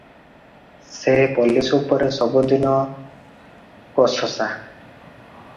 ସେ ପୋଲିଶ ଉପରେ ସବୁଦିନ ଗୋସସା